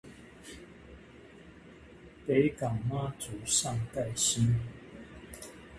北港媽祖上蓋興